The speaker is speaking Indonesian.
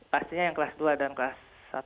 pastinya yang kelas dua dan kelas satu